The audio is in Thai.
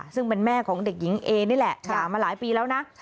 ซึ่งเป็นแม่ของเด็กหญิงเอนี่แหละหย่ามาหลายปีแล้วนะ